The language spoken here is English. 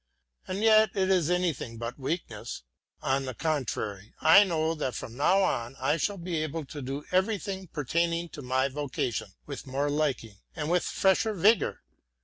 And yet it is anything but weakness. On the contrary, I know that from now on I shall be able to do everything pertaining to my vocation with more liking and with fresher vigor.